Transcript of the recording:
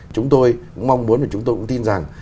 chúng tôi cũng mong muốn và chúng tôi cũng tin rằng